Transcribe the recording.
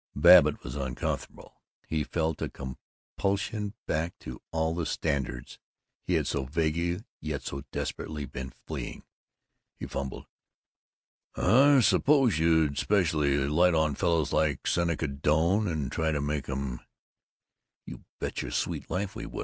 Babbitt was uncomfortable. He felt a compulsion back to all the standards he had so vaguely yet so desperately been fleeing. He fumbled: "I suppose you'd especially light on fellows like Seneca Doane and try to make 'em " "You bet your sweet life we would!